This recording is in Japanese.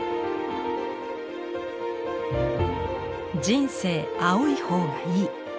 「人生青い方がいい」。